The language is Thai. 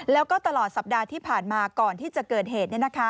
แล้วก็ตลอดสัปดาห์ที่ผ่านมาก่อนที่จะเกิดเหตุ